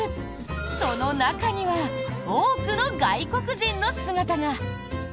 その中には多くの外国人の姿が。